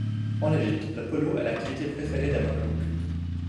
En Égypte, le polo est l'activité préférée des Mamelouks.